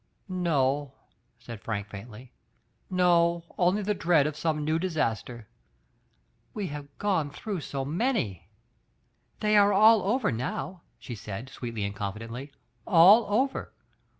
"No," said Frank faintly, "no, only the dread of sonie new disaster. We have gone through so many T' "They are all over now," she said, sweetly and confidently, "all over.